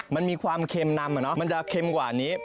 มันมีความเค็มนำมันจะเค็มกว่านี้